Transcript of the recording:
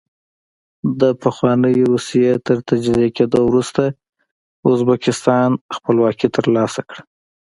د پخوانۍ روسیې تر تجزیه کېدو وروسته ازبکستان خپلواکي ترلاسه کړه.